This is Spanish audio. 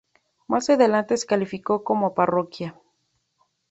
Más adelante se calificó como parroquia.